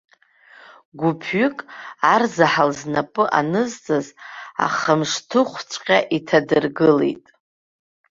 Гәыԥҩык арзаҳал знапы анызҵаз ахамшҭыхәҵәҟьа иҭадыргылеит.